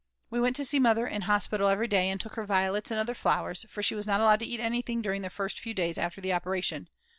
We went to see Mother in hospital every day and took her violets and other flowers, for she was not allowed to eat anything during the first few days after the operation.